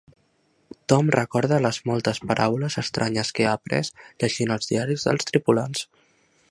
Tom recorda les moltes paraules estranyes que ha après llegint els diaris dels tripulants.